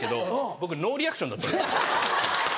僕ノーリアクションだった。